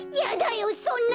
そんなの！